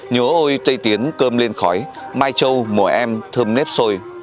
nhớ ôi tây tiến cơm lên khói mai châu mùa em thơm nếp sôi